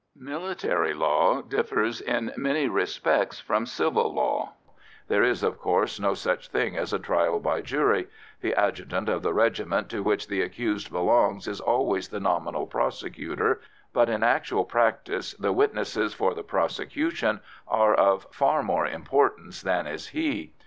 Military law differs in many respects from civil law; there is, of course, no such thing as a trial by jury; the adjutant of the regiment to which the accused belongs is always the nominal prosecutor, but in actual practice the witnesses for the prosecution are of far more importance than is he.